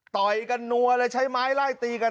ต่อยกันนัวเลยใช้ไม้ไล่ตีกัน